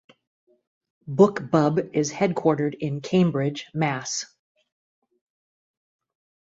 BookBub is headquartered in Cambridge, Mass.